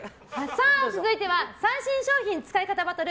続いては、最新商品使い方バトル！